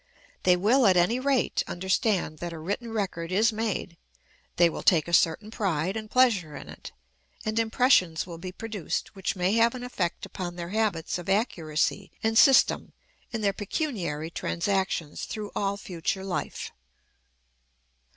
They will, at any rate, understand that a written record is made; they will take a certain pride and pleasure in it, and impressions will be produced which may have an effect upon their habits of accuracy and system in their pecuniary transactions through all future life.